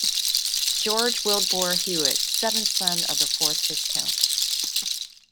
George Wyldbore Hewitt, seventh son of the fourth Viscount.